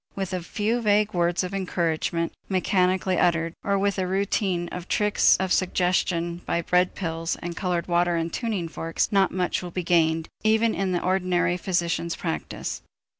With a few vague words of encouragement mechanically uttered, or with a routine of tricks of suggestion by bread pills and colored water and tuning forks, not much will be gained even in the ordinary physician's practice.